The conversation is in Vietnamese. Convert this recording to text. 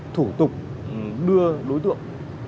thủ tục đưa đối tượng